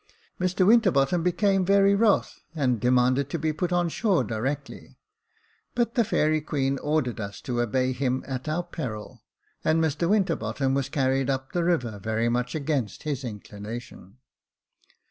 Mr Winterbottom became very wroth, and demanded to be put on shore directly, but the Fairy Queen ordered us to obey him at our peril, and Mr Winterbottom was carried up the river very much against his inclination.